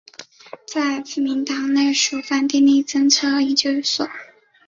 在自民党内属于番町政策研究所。